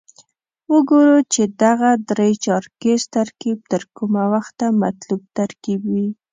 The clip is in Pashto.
وګورو چې دغه درې چارکیز ترکیب تر کومه وخته مطلوب ترکیب وي.